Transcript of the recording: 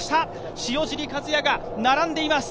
塩尻和也が並んでいます。